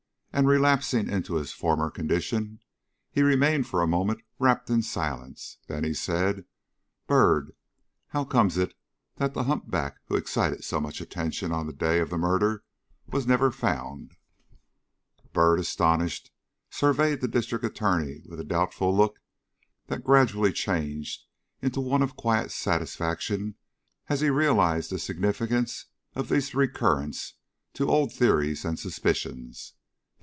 And, relapsing into his former condition, he remained for a moment wrapped in silence, then he said: "Byrd, how comes it that the humpback who excited so much attention on the day of the murder was never found?" Byrd, astonished, surveyed the District Attorney with a doubtful look that gradually changed into one of quiet satisfaction as he realized the significance of this recurrence to old theories and suspicions.